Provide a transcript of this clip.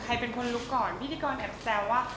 ใครเป็นคนลุกก่อนพิธีกรแอบแซวว่า